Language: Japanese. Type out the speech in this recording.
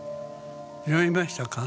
酔いましたか？